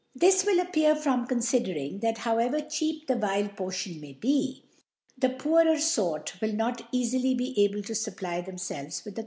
This will appear from confidering, that however cheap this vile Potion may be, the poorer Sort will not cafily be able to fupplj' themfclves with th$ Quantities i •( «9 )